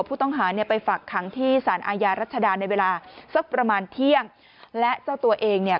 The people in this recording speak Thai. ผู้ต้องหาเนี่ยไปฝักขังที่สารอาญารัชดาในเวลาสักประมาณเที่ยงและเจ้าตัวเองเนี่ย